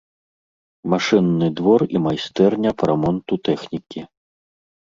Машынны двор і майстэрня па рамонту тэхнікі.